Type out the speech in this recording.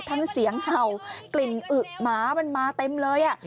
ทั้งเสียงเห่ากลิ่นอึ๋หมามันมาเต็มเลย